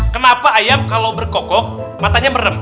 kenapa ayam kalau berkokok matanya merem